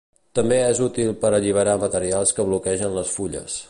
També és útil per alliberar materials que bloquegen les fulles.